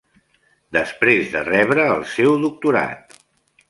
Després de rebre el seu doctorat.